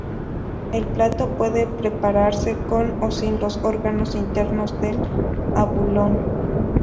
El plato puede prepararse con o sin los órganos internos del abulón.